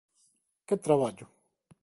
Que traballo?